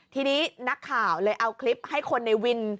ทีนี้นักข่าวเลยเอาคลิปให้คนในวิน